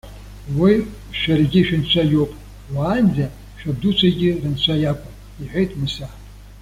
Уи, шәаргьы шәынцәа иоуп, уаанӡа шәабдуцәагьы рынцәа иакәын,- иҳәеит Мыса.